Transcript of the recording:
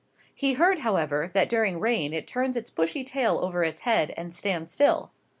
He heard, however, that during rain it turns its bushy tail over its head and stands still.